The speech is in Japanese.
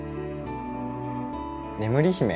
『眠り姫』？